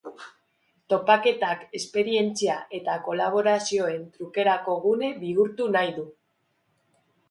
Topaketak esperientzia eta kolaborazioen trukerako gune bihurtu nahi du.